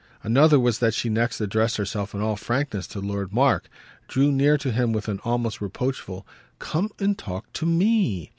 Another was that she next addressed herself in all frankness to Lord Mark, drew near to him with an almost reproachful "Come and talk to ME!"